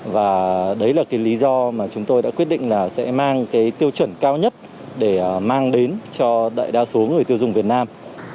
và đấy là cái lý do mà chúng tôi đã quyết định là sẽ mang cái tiêu chuẩn cao nhất để mang đến cho đại đa số người tiêu dùng việt nam